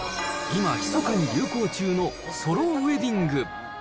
今、ひそかに流行中のソロウエディング。